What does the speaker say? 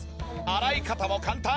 洗い方も簡単。